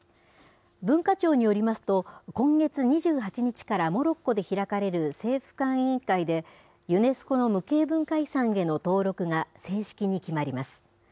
文化庁によりますと、今月２８日からモロッコで開かれる政府間委員会で、ユネスコの無形文化遺産への登録が正式に決まります。